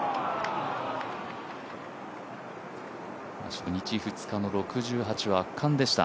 初日、２日の６１は圧巻でした。